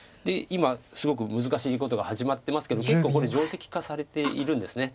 今すごく難しいことが始まってますけど結構これ定石化されているんです。